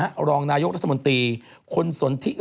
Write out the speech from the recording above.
จากธนาคารกรุงเทพฯ